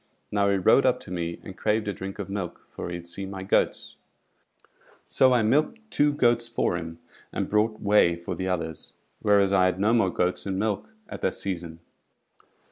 Now he rode up to me and craved a drink of milk, for he had seen my goats; so I milked two goats for him, and brought whey for the others, whereas I had no more goats in milk at that season.